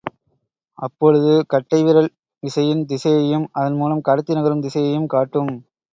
அப்பொழுது கட்டைவிரல் விசையின் திசையையும் அதன் மூலம் கடத்தி நகரும் திசையையும் காட்டும்.